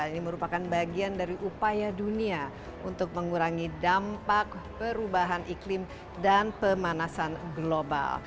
ini merupakan bagian dari upaya dunia untuk mengurangi dampak perubahan iklim dan pemanasan global